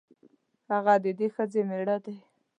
هغه د دې ښځې مېړه دی.